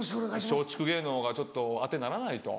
「松竹芸能がちょっと当てにならない」と。